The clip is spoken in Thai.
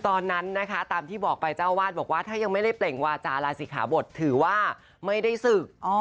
ตอนนั้นนะคะตามที่บอกไปเจ้าวาดบอกว่าถ้ายังไม่ได้เปล่งวาจาลาศิขาบทถือว่าไม่ได้ศึก